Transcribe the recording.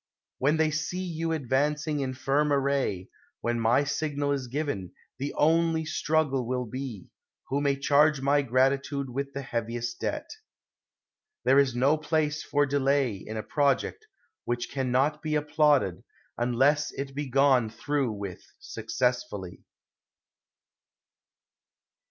When they see you advancing in firm array, when my signal is given, the only struggle will be, who may charge my gratitude with the heaviest debt. There is no place for delay in a project which can not be applauded unless it be gone through with successfully.